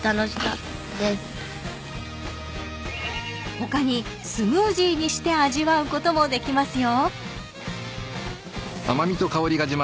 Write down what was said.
［他にスムージーにして味わうこともできますよ］